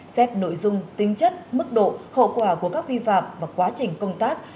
xét nội dung tính chất mức độ hậu quả của các vi phạm và quá trình công tác